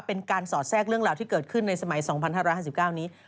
เป็นการสอดแทรกเรื่องราวที่เกิดขึ้นในสมัย๒๕๕๙นี้